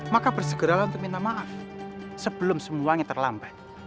maka bersegeralah untuk minta maaf sebelum semuanya terlambat